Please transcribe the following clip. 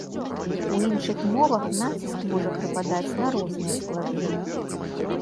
У іншых мовах націск можа прыпадаць на розныя склады.